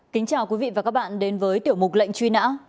kính chào quý vị và các bạn đến với tiểu mục lệnh truy nã